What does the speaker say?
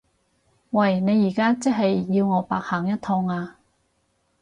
喂！你而家即係要我白行一趟呀？